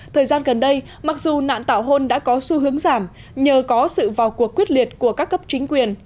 thời gian gần đây mặc dù nạn tảo hôn đã có xu hướng giảm nhờ có sự vào cuộc quyết liệt của các cấp chính quyền